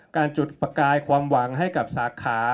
การจุดประกายความหวังให้กับสาขา